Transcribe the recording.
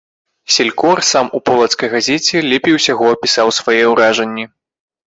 Селькор сам у полацкай газеце лепей усяго апісаў свае ўражанні.